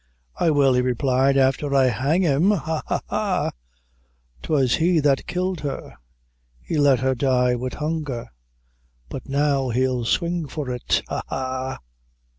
"I will," he replied, "after I hang him ha, ha, ha; 'twas he that killed her; he let her die wid hunger, but now he'll swing for it, ha, ha!"